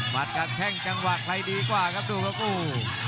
มาตรการแค่งจังหวะใครดีกว่าครับดูกับกู